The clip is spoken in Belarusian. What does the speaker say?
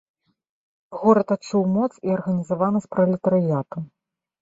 Горад адчуў моц і арганізаванасць пралетарыяту.